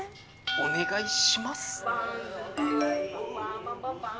お願いします。